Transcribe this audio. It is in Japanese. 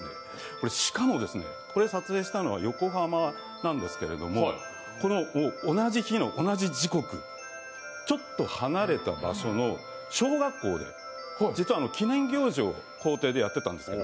しかも、これ撮影したのは横浜なんですけれども、この同じ日の同じ時刻、ちょっと離れた場所の小学校で実は記念行事を校庭でやっていたんです。